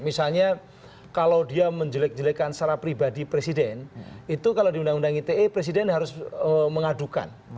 misalnya kalau dia menjelek jelekkan secara pribadi presiden itu kalau di undang undang ite presiden harus mengadukan